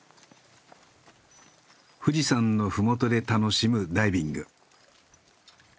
富士山の麓で楽しむダイビング。